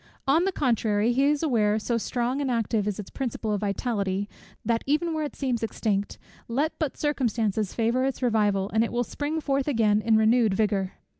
On the contrary, he is aware, so strong and active is its principle of vitality, that even where it seems extinct, let but circumstances favour its revival, and it will spring forth again in renewed vigour.